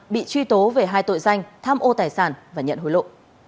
bị truy tố về hai tội danh tham ô tài sản và nhận hối lộ